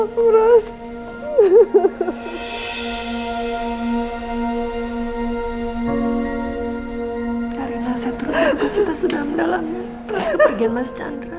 terus kepergian mas chandra